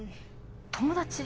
友達？